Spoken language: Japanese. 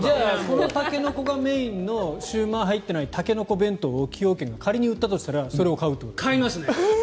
このタケノコがメインのシウマイが入っていないタケノコ弁当を崎陽軒が仮に売ったとしたら買いますね。